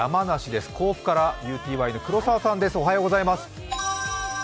甲府からＵＴＹの黒澤さんです。